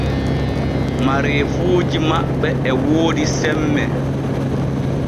Mareefuuji maɓɓe e woodi semme.